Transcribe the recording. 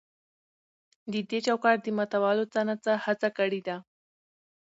د دې چوکاټ د ماتولو څه نا څه هڅه کړې ده.